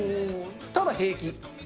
ただ、平気。